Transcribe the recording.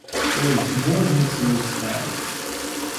Ой, ножницы устали!